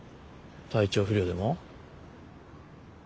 体調不良でも？